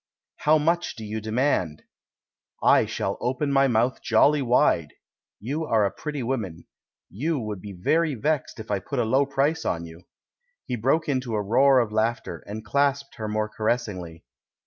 "How much do you demand?" "I shall open my mouth jolly wide. You are a pretty woman — you would be very vexed if I put a low price on you!" He broke into a roar of laughter, and clasped her more caressingly.